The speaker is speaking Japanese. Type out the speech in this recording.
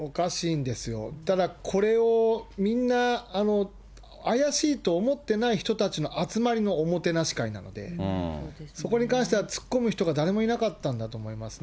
ただこれをみんな、怪しいと思ってない人たちの集まりのおもてなし会なので、そこに関してはつっこむ人が誰もいなかったんだと思いますね。